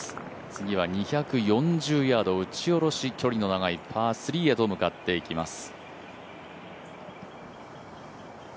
次は２４０ヤード、打ち下ろし距離の長いパー３へと向かっていきます。